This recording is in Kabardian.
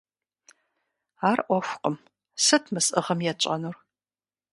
Ар Ӏуэхукъым, сыт мы сӀыгъым етщӀэнур?